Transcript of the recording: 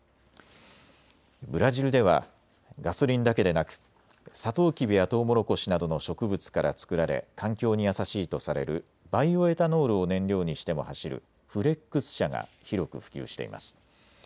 ブラジルではガソリンだけでなくサトウキビやトウモロコシなどの植物から作られ環境に優しいとされるバイオエタノールを燃料にしても走るフレックス車が広く普及しています。